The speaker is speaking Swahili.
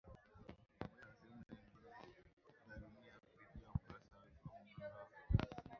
Pamoja na sehemu nyingine za dunia kupitia ukurasa wetu wa mtandao